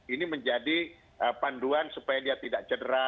ini menjadi panduan supaya dia tidak cedera